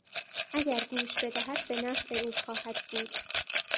اگر گوش بدهد به نفع او خواهد بود.